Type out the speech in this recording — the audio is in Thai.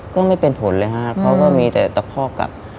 ก็ไม่เป็นผลเลยฮะเขาก็มีแต่ตะคอกกลับ